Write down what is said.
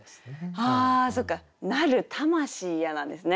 ああそっか「なる魂や」なんですね。